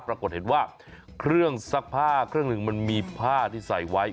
ปรากฏว่าเครื่องซักผ้าเครื่องหนึ่งมันมีผ้าที่ใส่ไว้